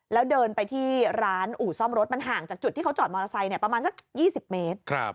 แล้วเดินไปที่ร้านอู่ซ่อมรถมันห่างจากจุดที่เขาจอดมอเตอร์ไซค์ประมาณสัก๒๐เมตร